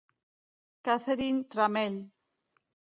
Catherine Tramell